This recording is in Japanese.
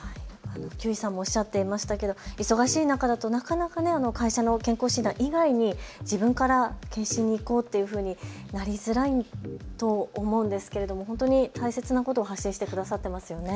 休井さんもおっしゃっていましたけど忙しい中だとなかなか会社の健康診断以外に自分から検診に行こうというふうになりづらいと思うんですけれども本当に大切なことを発信してくださっていますよね。